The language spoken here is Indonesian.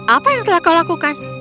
apa yang telah kau lakukan